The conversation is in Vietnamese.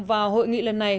vào hội nghị lần này